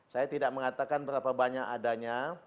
saya tidak mengatakan berapa banyak adanya